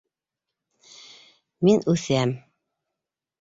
—Мин үҫәм.